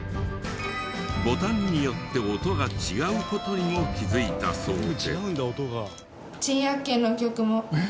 ボタンによって音が違う事にも気づいたそうで。